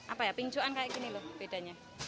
apa ya pincuan kayak gini loh bedanya